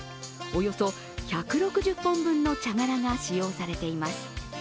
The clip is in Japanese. およそ１６０本分の茶殻が使用されています。